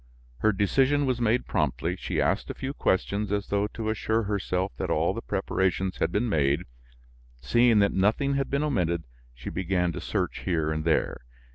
Her decision was made promptly; she asked a few questions, as though to assure herself that all the preparations had been made; seeing that nothing had been omitted, she began to search here and there.